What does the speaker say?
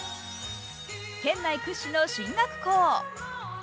県内屈指の進学校。